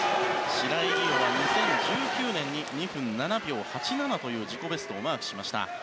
白井璃緒は２０１９年に２分７秒８７という自己ベストをマークしました。